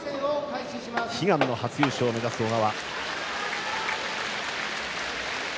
悲願の初優勝を目指す小川。